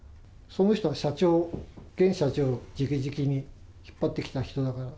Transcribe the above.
その人は社長、現社長じきじきに引っ張ってきた人だから。